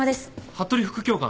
服部副教官。